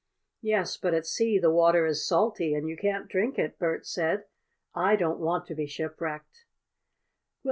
"Yes, but at sea the water is salty and you can't drink it," Bert said. "I don't want to be shipwrecked."